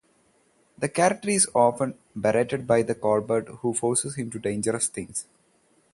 The character is often berated by Colbert, who forces him to do dangerous things.